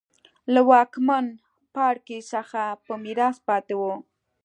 له واکمن پاړکي څخه په میراث پاتې وو.